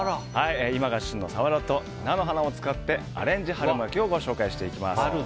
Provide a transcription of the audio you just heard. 今が旬のサワラと菜の花を使ってアレンジ春巻きをご紹介していきます。